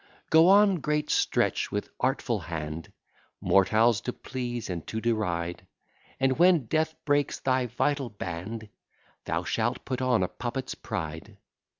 Go on, great Stretch, with artful hand, Mortals to please and to deride; And, when death breaks thy vital band, Thou shalt put on a puppet's pride.